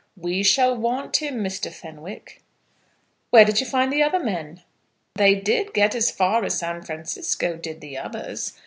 "We shall want him, Mr. Fenwick." "Where did you find the other men?" "They did get as far as San Francisco, did the others.